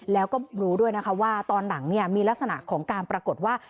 แล้วก็รู้ด้วยนะคะว่าตอนหลังมีลักษณะของการปรากฏว่า